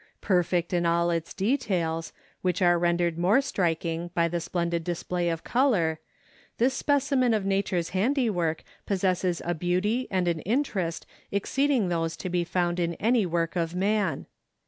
Perfect in all its details, which are rendered more striking by the splendid play of color, this specimen of Nature's handiwork possesses a beauty and an interest exceeding those to be found in any work of man.